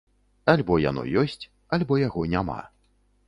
Альбо яно ёсць, альбо яго няма.